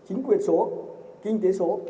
chính quyền số kinh tế số